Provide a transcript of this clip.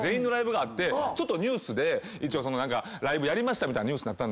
ニュースでライブやりましたみたいなニュースになった。